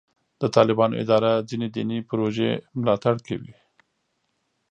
د طالبانو اداره ځینې دیني پروژې ملاتړ کوي.